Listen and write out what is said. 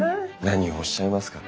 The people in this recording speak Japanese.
何をおっしゃいますか。